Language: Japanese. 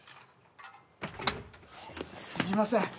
すみません！